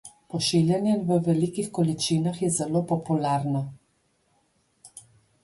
Pošiljanje v velikih količinah je zelo popularno.